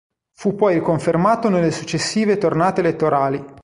Fu poi riconfermato nelle successive tornate elettorali.